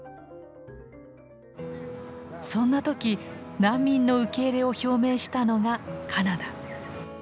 そんな時難民の受け入れを表明したのがカナダ。